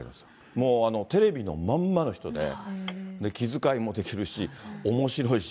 もう、テレビのまんまの人で、気遣いもできるし、おもしろいし、